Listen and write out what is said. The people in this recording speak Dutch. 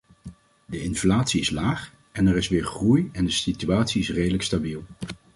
De inflatie is laag, er is weer groei en de situatie is redelijk stabiel.